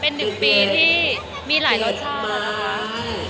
เป็น๑ปีที่มีหลายรสชาติ